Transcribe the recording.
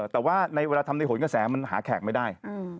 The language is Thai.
แต่ว่าในเวลาทำในหนกระแสมันหาแขกไม่ได้